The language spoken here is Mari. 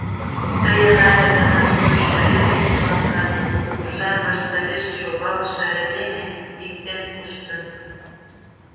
Тыйын але гына шочшо эргычым акат, Кугыжан ваштареш шогалше айдеме, пиктен пуштын.